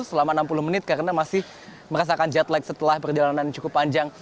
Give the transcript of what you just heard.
selama enam puluh menit karena masih merasakan jetlag setelah perjalanan cukup panjang